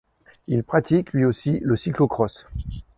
Il pratique, lui aussi, le cyclo-cross.